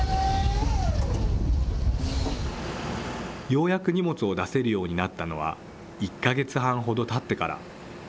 ようやく荷物を出せるようになったのは、１か月半ほどたってから。